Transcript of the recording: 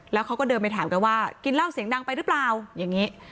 แล้วเขาก็เดินไปถามกันว่ากินเหล้าเสียงดังไปหรือเปล่าอย่างนี้